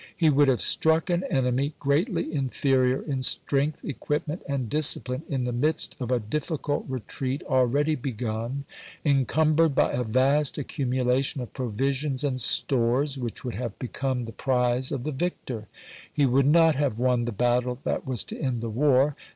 He would have struck an enemy greatly inferior in strength, equipment, and disci pline, in the midst of a difficult retreat already begun, encumbered by a vast accumulation of pro visions and stores,^ which would have become the prize of the victor. He would not have won the battle that was to end the war.